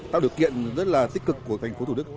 tạo điều kiện rất là tích cực của thành phố thủ đức